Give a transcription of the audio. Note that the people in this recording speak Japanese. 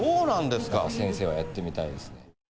先生はやってみたいです。